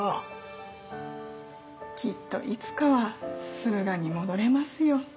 きっといつかは駿河に戻れますよ。